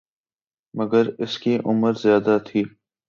مگر اس کی عمر زیادہ تھی